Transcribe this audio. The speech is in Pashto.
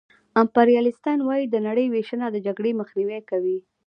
امپریالیستان وايي د نړۍ وېشنه د جګړې مخنیوی کوي